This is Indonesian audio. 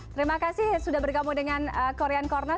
terima kasih sudah bergabung dengan korean corner